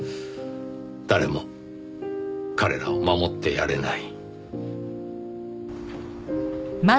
誰も彼らを守ってやれない。